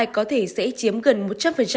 có thể sẽ chiếm gần một trăm linh